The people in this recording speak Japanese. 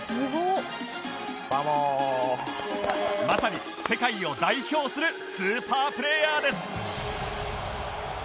まさに世界を代表するスーパープレーヤーです